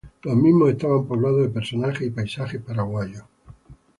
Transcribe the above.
Los mismos estaban poblados de personajes y paisajes paraguayos.